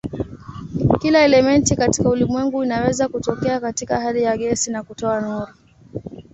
Kila elementi katika ulimwengu inaweza kutokea katika hali ya gesi na kutoa nuru.